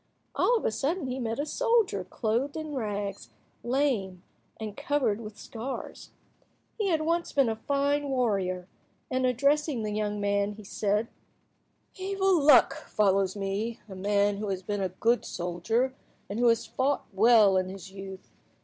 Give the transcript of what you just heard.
All of a sudden he met a soldier clothed in rags, lame, and covered with scars. He had once been a fine warrior, and, addressing the young man, he said— "Evil luck follows me, a man who has been a good soldier, and who has fought well in his youth.